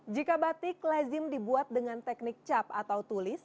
jika batik lazim dibuat dengan teknik cap atau tulis